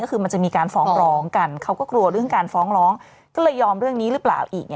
ก็คือมันจะมีการฟ้องร้องกันเขาก็กลัวเรื่องการฟ้องร้องก็เลยยอมเรื่องนี้หรือเปล่าอีก